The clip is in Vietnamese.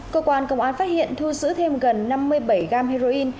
cơ quan công an phát hiện thu giữ thêm gần năm mươi bảy gam heroin